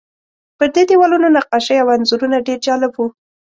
پر دې دیوالونو نقاشۍ او انځورونه ډېر جالب وو.